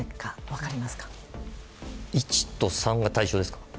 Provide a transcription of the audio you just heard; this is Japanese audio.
１と３が対象です。